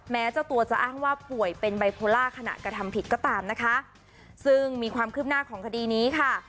แม้เจ้าตัวจะอ้างว่าป่วยเป็นไบโพล่าขณะกระทำผิดก็ตามนะคะซึ่งมีความคืบหน้าของคดีนี้ค่ะ